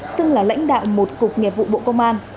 xưng là lãnh đạo một cục nghiệp vụ bộ công an